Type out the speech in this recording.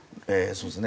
そうですね。